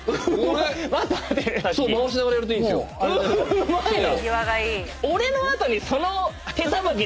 うまいな！